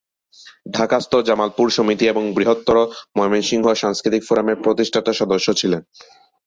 ঢাকাস্থ জামালপুর সমিতি এবং বৃহত্তর ময়মনসিংহ সাংস্কৃতিক ফোরামের প্রতিষ্ঠাতা সদস্য ছিলেন।